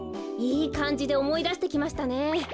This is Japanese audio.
いいかんじでおもいだしてきましたね。